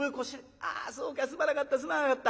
ああそうかすまなかったすまなかった。